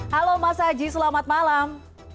halo mas aji selamat malam